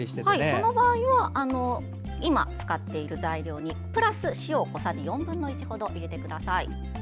その場合は今、使っている材料にプラス塩を小さじ４分の１ほど入れてください。